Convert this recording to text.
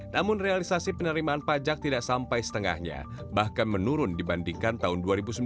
namun realisasi penerimaan pajak tidak sampai setengahnya bahkan menurun dibandingkan tahun dua ribu sembilan belas